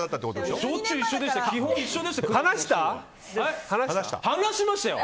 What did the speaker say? しょっちゅう一緒でしたよ。